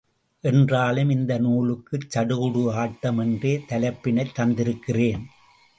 என்றாலும் இந்த நூலுக்கு சடுகுடு ஆட்டம் என்றே தலைப்பினைத் தந்திருக்கிறேன்.